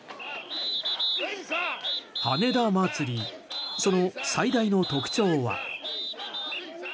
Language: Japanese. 羽田まつりその最大の特徴は。